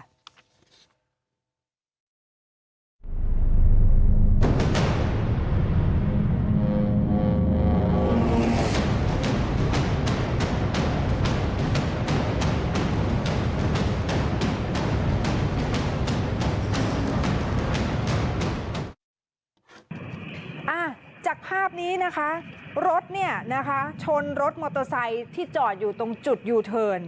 จากภาพนี้นะคะรถเนี่ยนะคะชนรถมอเตอร์ไซค์ที่จอดอยู่ตรงจุดยูเทิร์น